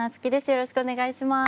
よろしくお願いします。